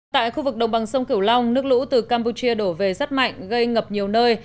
tại khu vực đồng bằng sông cửu long nước lũ từ campuchia đổ về rất mạnh gây ngập nhiều nơi